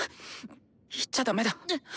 言っちゃだめだ。